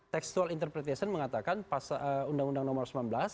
textual interpretation mengatakan pasal undang undang nomor satu ratus sembilan belas